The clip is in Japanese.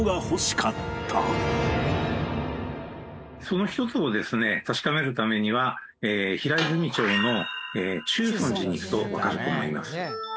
その１つをですね確かめるためには平泉町の中尊寺に行くとわかると思います。